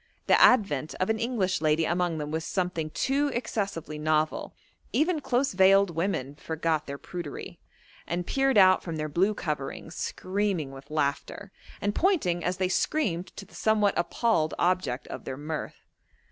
The advent of an English lady among them was something too excessively novel: even close veiled women forgot their prudery, and peered out from their blue coverings, screaming with laughter, and pointing as they screamed to the somewhat appalled object of their mirth.